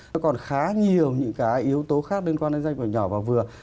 nó còn khá nhiều những cái yếu tố khác liên quan đến doanh nghiệp nhỏ và vừa